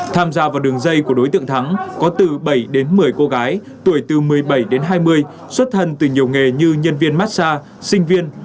tham gia vào đường dây của đối tượng thắng có từ bảy đến một mươi cô gái tuổi từ một mươi bảy đến hai mươi xuất thân từ nhiều nghề như nhân viên massage sinh viên